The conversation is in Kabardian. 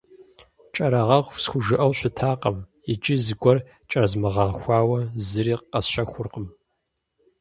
«Кӏэрыгъэху» схужыӏэу щытакъым, иджы зыгуэр кӏэрезмыгъэгъэхуауэ зыри къэсщэхуркъым.